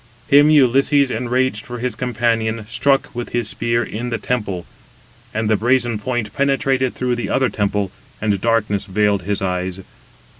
191 Him Ulysses, enraged for his companion, struck with his spear in the temple, and the brazen point penetrated through the other temple, and darkness veiled his eyes.